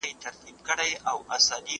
زه به مينه څرګنده کړې وي!!